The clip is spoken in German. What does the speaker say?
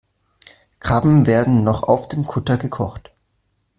Krabben werden noch auf dem Kutter gekocht.